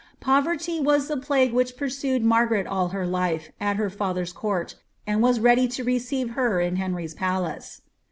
Povf rty was the plague which pursue<] Margaret all her life, at her father^s court, and was ready lo receive her in Henry's palace.